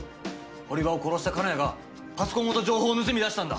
堀場を殺した金谷がパソコンごと情報を盗み出したんだ。